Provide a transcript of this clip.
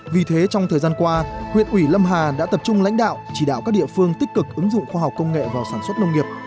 vì thế trong thời gian qua huyện ủy lâm hà đã tập trung lãnh đạo chỉ đạo các địa phương tích cực ứng dụng khoa học công nghệ vào sản xuất nông nghiệp